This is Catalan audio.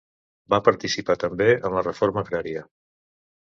Va participar també en la reforma agrària.